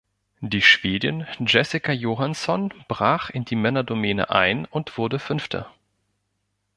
Die Schwedin Jessica Johannson brach in die Männerdomäne ein und wurde fünfte.